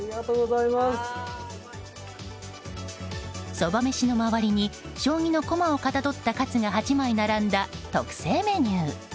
そばめしの周りに将棋の駒をかたどったカツが８枚並んだ特製メニュー。